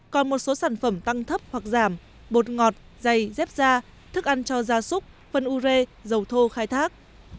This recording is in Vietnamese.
còn một số sản phẩm tăng thấp hoặc giảm bột ngọt dày dép da thức ăn cho gia súc phân u rê dầu thô khai thác